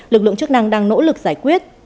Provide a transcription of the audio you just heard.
lực lượng chức năng đang nỗ lực giải quyết